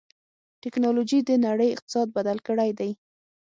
ټکنالوجي د نړۍ اقتصاد بدل کړی دی.